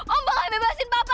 om mau gak bebasin papa